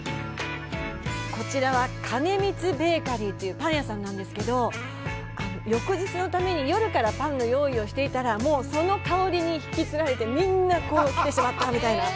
こちらはカネミツベーカリーというパン屋さんなんですけど、翌日のために夜からパンの用意をしていたら、もうその香りに引きつられてみんな来てしまったみたいな。